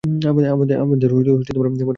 আমাদের যাওয়া উচিত।